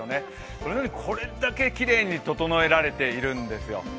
それなのにこれだけきれいに整えられているんですよ。